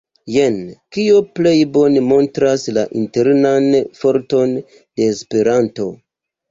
Jen, kio plej bone montras la internan forton de Esperanto.